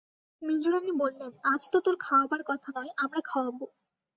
মেজোরানী বললেন, আজ তো তোর খাওয়াবার কথা নয়, আমরা খাওয়াব।